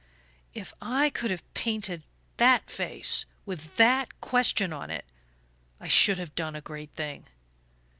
"If I could have painted that face, with that question on it, I should have done a great thing.